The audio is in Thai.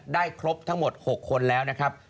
ครบทั้งหมด๖คนแล้วนะครับ